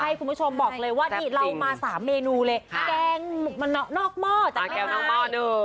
คุณผู้ชมบอกเลยว่านี่เรามา๓เมนูเลยแกงมันนอกหม้อจากแม่ค้า